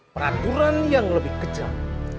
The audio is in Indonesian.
peraturan yang lebih kejam